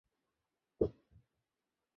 তুই চলে যা।